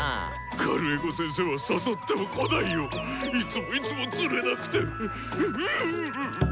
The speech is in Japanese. カルエゴ先生は誘っても来ないよ。いつもいつもつれなくてううっ。